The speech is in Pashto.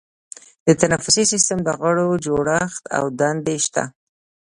د تنفسي سیستم د غړو جوړښت او دندې شته.